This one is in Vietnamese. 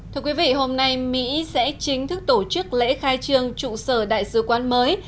thưa quý vị hôm nay mỹ sẽ chính thức tổ chức lễ khai trường trụ sở đại sứ quán mới